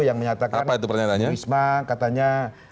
yang menyatakan bu risma katanya